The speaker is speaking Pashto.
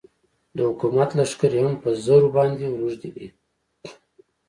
د حکومت لښکرې هم په زرو باندې روږدې دي.